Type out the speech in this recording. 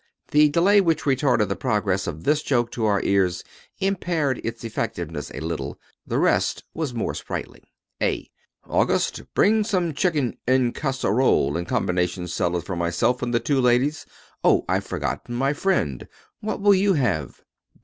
The delay which retarded the progress of this joke to our ears impaired its effectiveness a little. The rest was more sprightly. A August, bring some chicken en casserole and combination salad for myself and the two ladies. Oh, I've forgotten my friend. What will you have?